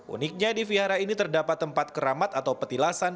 uniknya di vihara ini terdapat tempat keramat atau petilasan